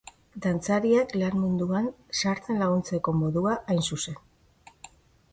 Dantzariak lan munduan sartzen laguntzeko modua hain zuzen.